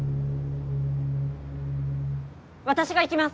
私が行きます